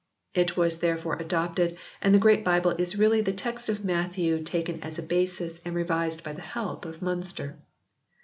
It was therefore adopted and the Great Bible is really the text of Matthew taken as a basis and revised by the help of Mlinster.